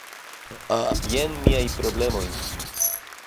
Jen miaj problemoj: